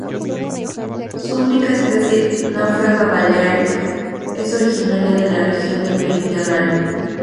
Su única especie: Naufraga balearica, es originaria de la región del Mediterráneo.